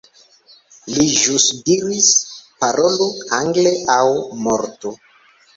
Li ĵus diris: Parolu angle aŭ mortu!